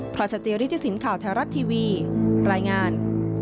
เพราะสติวริทธิสินข่าวแท้รัฐทีวีรายงาน